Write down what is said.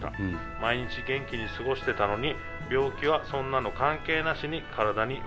毎日元気に過ごしてたのに病気はそんなの関係なしに体に悪さをしました。